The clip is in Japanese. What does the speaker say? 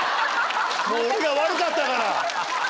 もう俺が悪かったから。